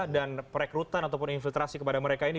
dan perekrutan ataupun infiltrasi kepada mereka ini